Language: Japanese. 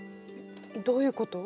どういうこと？